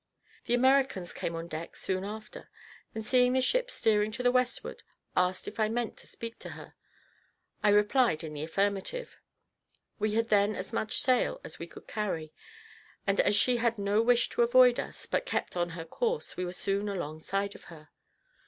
The Americans came on deck soon after; and seeing the ship steering to the westward, asked if I meant to speak her. I replied in the affirmative. We had then as much sail as we could carry; and as she had no wish to avoid us, but kept on her course, we were soon alongside of her.